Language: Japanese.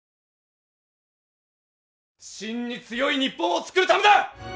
真に強い日本を作るためだ。